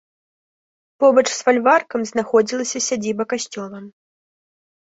Побач з фальваркам знаходзілася сядзіба касцёла.